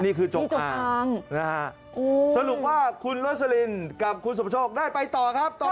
นี่คือจกอางสนุกว่าคุณเลอสลินกับคุณสมโชคได้ไปต่อครับ